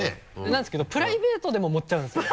なんですけどプライベートでも盛っちゃうんですよ。